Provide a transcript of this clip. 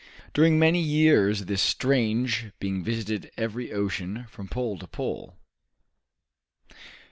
During many years this strange being visited every ocean, from pole to pole.